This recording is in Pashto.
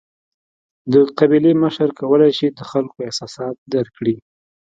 د قبیلې مشر کولای شي د خلکو احساسات درک کړي.